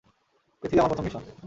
পৃথিবী আমার প্রথম মিশন।